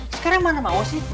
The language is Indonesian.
sekarang mana mau sih